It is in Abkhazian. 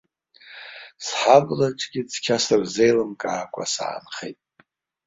Сҳаблаҿгьы цқьа сырзеилымкаакәа саанхеит.